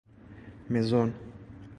مزون